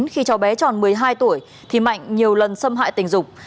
khi cháu bé tròn một mươi hai tuổi thì mạnh nhiều lần xâm hại tình dục